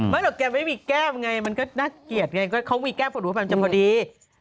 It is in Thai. ไม่หรอกแกไม่มีแก้มไงมันก็น่าเกลียดไงเค้ามีแก้มพอดูว่ามันจะพอดี